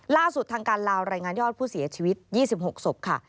ล่าสุดทางการลาวรายงานยอดผู้เสียชีวิต๒๖ศพค่ะ